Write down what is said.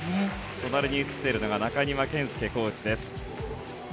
隣に映っているのが中庭健介コーチです。